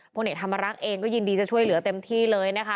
พลเอกธรรมรักษ์เองก็ยินดีจะช่วยเหลือเต็มที่เลยนะคะ